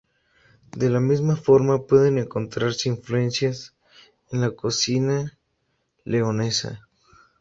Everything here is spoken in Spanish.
De la misma forma pueden encontrarse influencias en la cocina leonesa.